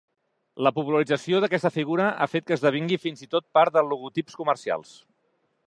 La popularització d'aquesta figura ha fet que esdevingui fins i tot part de logotips comercials.